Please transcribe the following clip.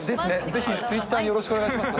ぜひ、ツイッター、よろしくお願いします。